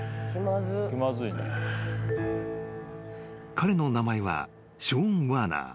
［彼の名前はショーン・ワーナー。